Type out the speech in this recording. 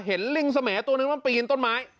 เห็นลิงเสมอตัวนึงมาปีนต้นไม้